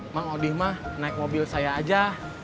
mak odih naik mobil saya aja